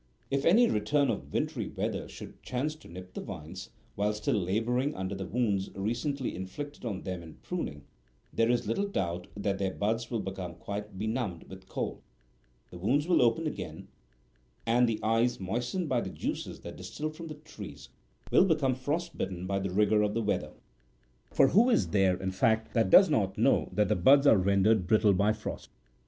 If any return of wintry weather should chance to nip the vines, while still labouring under the wounds recently inflicted on them in pruning, there is little doubt that their buds will become quite benumbed with cold, the wounds will open again, and the eyes, moistened by the juices that distil from the tree, will become frost bitten by the rigour of the weather. For who is there,46 in fact, that does not know that the buds are rendered brittle by frost